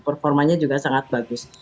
performanya juga sangat bagus